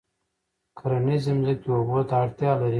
کرنیزې ځمکې اوبو ته اړتیا لري.